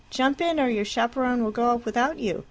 Jump in, or your chaperon will go off without you."